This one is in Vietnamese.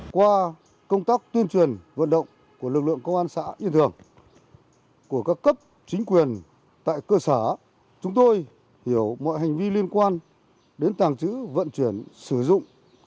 qua công tác tuyên truyền vận động của lực lượng công an xã yên thường của các cấp chính quyền tại cơ sở chúng tôi hiểu mọi hành vi liên quan đến tàng trữ vận chuyển sử dụng